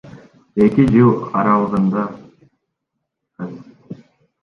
Эки жыл аралыгында С.